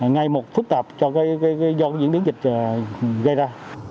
ngay một phức tạp cho diễn biến dịch gây ra